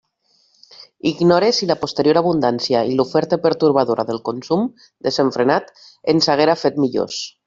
Ignore si la posterior abundància i l'oferta pertorbadora del consum desenfrenat ens haguera fet millors.